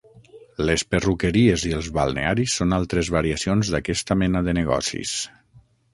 Les perruqueries i els balnearis són altres variacions d'aquesta mena de negocis.